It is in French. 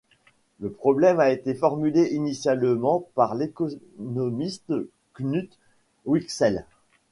Le problème a été formulé initialement par l'économiste Knut Wicksell.